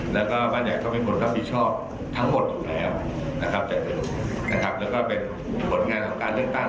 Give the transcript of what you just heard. แล้วก็บ้านใหญ่เขาเป็นคนรับผิดชอบทั้งหมดอยู่แล้วแล้วก็เป็นผลงานของการเลือกตั้ง